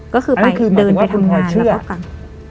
ก็คือไปเดินทำงานแล้วกัน